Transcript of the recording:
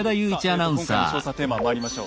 さあ今回の調査テーマをまいりましょう。